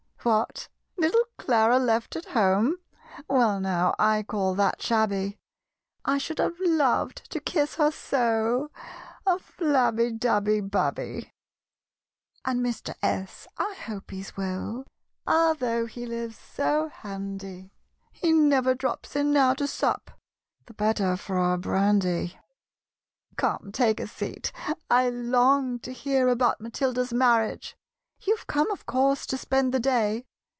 "What! little Clara left at home? Well now, I call that shabby: I should have loved to kiss her so (A flabby, dabby, babby!) "And Mr. S., I hope he's well, Ah! though he lives so handy, He never drops in now to sup (The better for our brandy!) "Come, take a seat I long to hear About Matilda's marriage; You've come, of course, to spend the day!